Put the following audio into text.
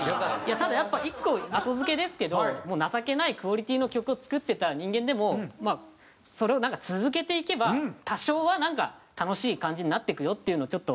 ただやっぱ１個後付けですけど情けないクオリティの曲を作ってた人間でもそれをなんか続けていけば多少はなんか楽しい感じになっていくよっていうのをちょっと。